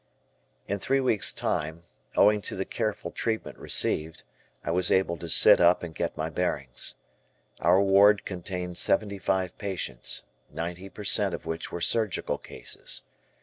In three weeks' time, owing to the careful treatment received, I was able to sit up and get my bearings. Our ward contained seventy five patients, ninety per cent of which were surgical cases.